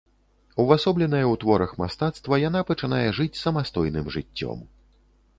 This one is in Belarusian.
Увасобленая ў творах мастацтва, яна пачынае жыць самастойным жыццём.